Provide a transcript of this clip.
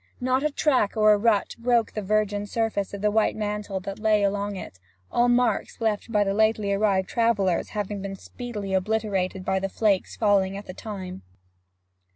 Not a track or rut broke the virgin surface of the white mantle that lay along it, all marks left by the lately arrived travellers having been speedily obliterated by the flakes falling at the time.